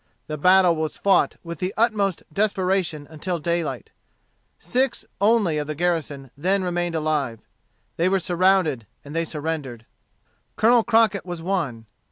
The battle was fought with the utmost desperation until daylight. Six only of the Garrison then remained alive. They were surrounded, and they surrendered. Colonel Crockett was one.